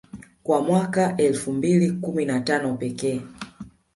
Kwa mwaka elfu mbili kumi na tano pekee